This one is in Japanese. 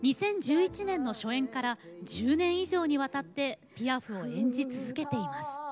２０１１年の初演から１０年以上にわたってピアフを演じ続けています。